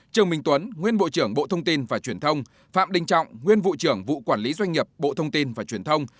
trương minh tuấn nguyên bộ trưởng bộ thông tin và truyền thông phạm đình trọng nguyên vụ trưởng vụ quản lý doanh nghiệp bộ thông tin và truyền thông